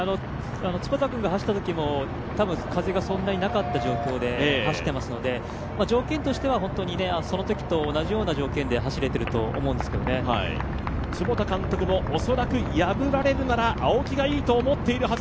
そのときも風がそんなになかった状況で走っていますので条件としてはそのときと同じような条件で走れていると思いますけれども坪田監督も、恐らく破られるなら青木がいいと思っているはず。